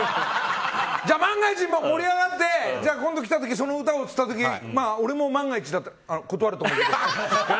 じゃあ、万が一盛り上がって今度来た時その歌をって言った時俺も万が一、断ると思うけど。